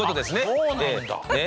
あそうなんだ。